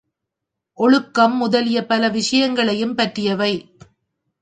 ஒழுக்கம் முதலிய பல விஷயங்களையும் பற்றியவை.